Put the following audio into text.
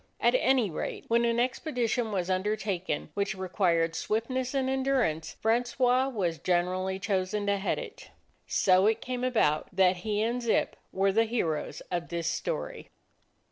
At any rate, when an expedition was undertaken which re quired swiftness and endurance, Francois was generally chosen to head it. So it came about that he and Zip were the heroes of this story.